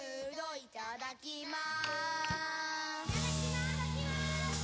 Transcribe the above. いただきます！